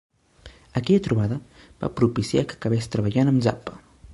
Aquella trobada va propiciar que acabés treballant amb Zappa.